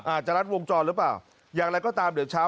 อาจจะรัดวงจรหรือเปล่าอย่างไรก็ตามเดี๋ยวเช้า